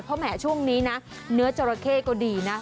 เพราะแหมช่วงนี้นะเนื้อจราเข้ก็ดีนะ